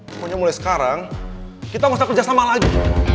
pokoknya mulai sekarang kita ga usah kerja sama lagi